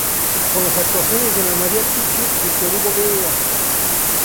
Con las actuaciones de Ana Maria Picchio y Víctor Hugo Vieyra.